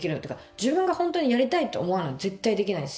自分が本当にやりたいと思わな絶対できないし。